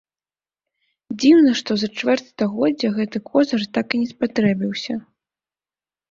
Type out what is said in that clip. Дзіўна, што за чвэрць стагоддзя гэты козыр так і не спатрэбіўся.